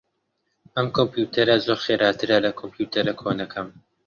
ئەم کۆمپیوتەرە زۆر خێراترە لە کۆمپیوتەرە کۆنەکەم.